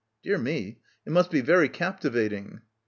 "Dear me. It must be very captivating."